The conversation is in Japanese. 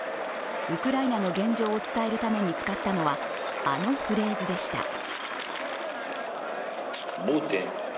ウクライナの現状を伝えるために使ったのは、あのフレーズでした。